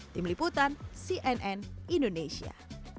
tim liputan cnn indonesia